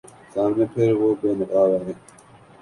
سامنے پھر وہ بے نقاب آئے